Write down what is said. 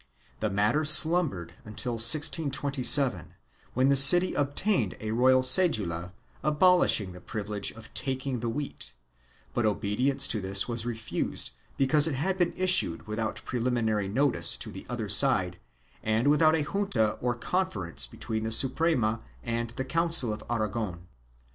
The matter slumbered until 1627, when the city obtained a royal cedula abolishing the privilege of taking the wheat, but obedience to this was refused because it had been issued without preliminary notice to the other side and without a junta or conference between the Suprema and the Council of Aragon.